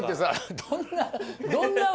どんな。